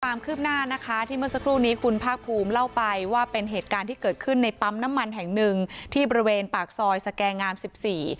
ความคืบหน้านะคะที่เมื่อสักครู่นี้คุณภาคภูมิเล่าไปว่าเป็นเหตุการณ์ที่เกิดขึ้นในปั๊มน้ำมันแห่งหนึ่งที่บริเวณปากซอยสแกงามสิบสี่